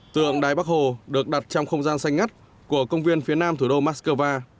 tượng đài bắc hồ được đặt trong không gian xanh ngắt của công viên phía nam thủ đô moscow